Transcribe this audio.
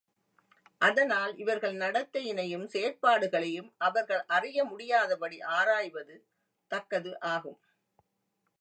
அதனால், இவர்கள் நடத்தையினையும் செயற்பாடுகளையும் அவர்கள் அறிய முடியாதபடி ஆராய்வது தக்கது ஆகும்.